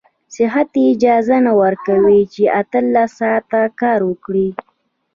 صحت يې اجازه نه ورکوي چې اتلس ساعته کار وکړي.